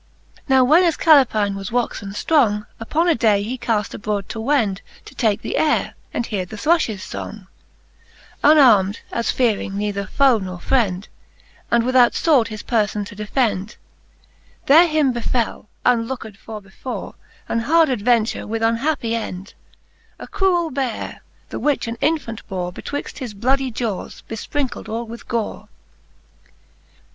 XVII. Now when as Calepine was woxen ftrong, Upon a day he caft abrode to wend, To take the ayre, and heare the thruflies fong, Unarm'd, as fearing neither foe nor frend, And without fword his perfbn to defend. There him befall, unlooked for before, An hard adventure with unhappie end, A cruell Beare, the which an infant bore Betwixt his blood iejawes, belprinckled all with gore. XVIII. The Cant. IV. the Faerie Queene.